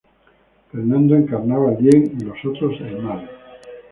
Fernando encarnaba el Bien y los otros el Mal.